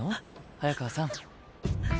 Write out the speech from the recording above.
早川さん。